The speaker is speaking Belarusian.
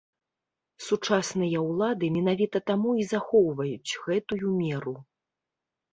Сучасныя ўлады менавіта таму і захоўваюць гэтую меру.